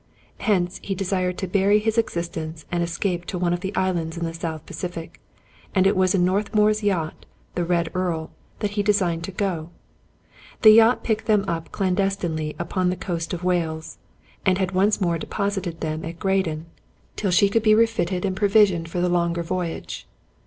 Hence, he desired to bury his existence and escape to one of the islands in the South Pacific, and it was in Northmour's yacht, the " Red Earl," that he designed to go. The yacht picked them up clandestinely upon the coast of Wales, and had once more deposited them at Graden, till 176 Robert Louis Stevenson she could be refitted and provisioned for the longer voyage.